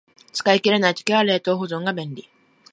使い切れない時は冷凍保存が便利